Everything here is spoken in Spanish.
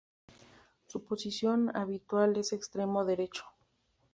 Su posición habitual es extremo derecho.